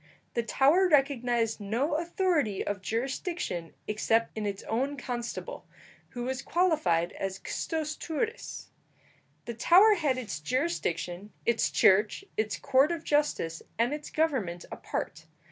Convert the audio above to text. The Tower recognized no authority of jurisdiction except in its own constable, who was qualified as custos turris. The Tower had its jurisdiction, its church, its court of justice, and its government apart.